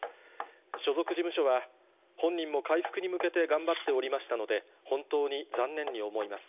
所属事務所は、本人も回復に向けて頑張っておりましたので、本当に残念に思います。